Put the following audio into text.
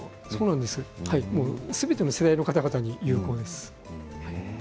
すべての世代の方に有効です。